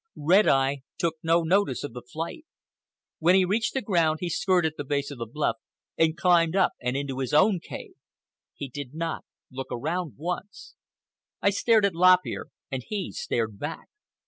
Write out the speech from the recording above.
Red Eye took no notice of the flight. When he reached the ground he skirted the base of the bluff and climbed up and into his own cave. He did not look around once. I stared at Lop Ear, and he stared back.